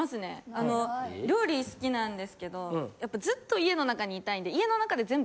あの料理好きなんですけどやっぱずっと家の中にいたいんで。